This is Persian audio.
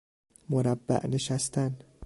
مربع نشستن